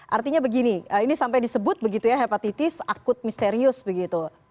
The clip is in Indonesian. artinya begini ini sampai disebut begitu ya hepatitis akut misterius begitu